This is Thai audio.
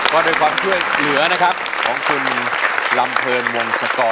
ก็ด้วยความช่วยเหลือนะครับของคุณลำเพลินวงศกร